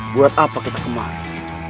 buat apa kita kemarin